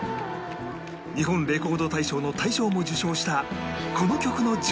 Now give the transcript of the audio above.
日本レコード大賞の大賞も受賞したこの曲の順位は